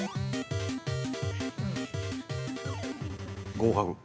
合格。